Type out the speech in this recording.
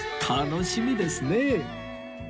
楽しみですねえ